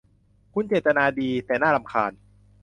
คุณเจตนาดี แต่น่ารำคาญ